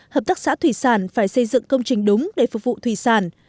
hợp tác xã thủy sản phải xây dựng công trình đúng để phục vụ thủy sản